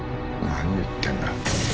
何言ってんだ！？